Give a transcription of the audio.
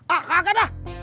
ah kaget dah